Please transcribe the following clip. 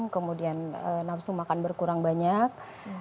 kemudian nafsu makan berkurang banyak